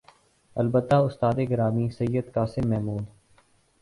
البتہ استاد گرامی سید قاسم محمود